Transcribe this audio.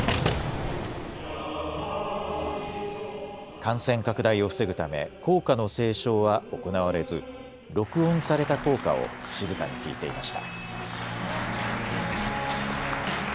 感染拡大を防ぐため校歌の斉唱は行われず録音された校歌を静かに聞いていました。